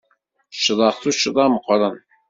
Ccḍeɣ tuccḍa meqqren.